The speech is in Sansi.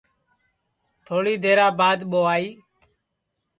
تھوڑی دیرا بعد ٻو آئی